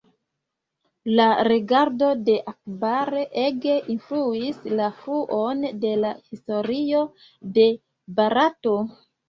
La regado de Akbar ege influis la fluon de la historio de Barato.